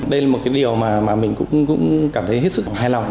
đây là một cái điều mà mình cũng cảm thấy hết sức hài lòng